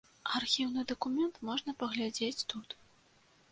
Архіўны дакумент можна паглядзець тут.